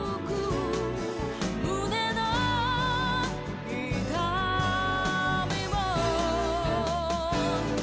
「胸の痛みも」